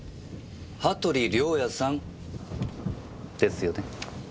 羽鳥亮矢さんですよね？